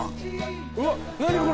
うわっ何これ。